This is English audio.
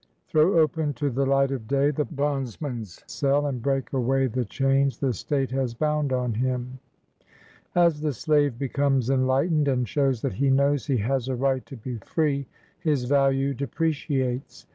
Throw open to the light of day The bondman's cell, and break away The chains the State has bound on him !" As the slave becomes enlightened, and shows that he knows he has a right to be free, his value depreciates.